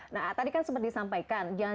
nah tadi kan sempat disampaikan